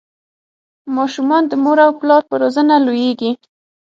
ماشومان د مور او پلار په روزنه لویږي.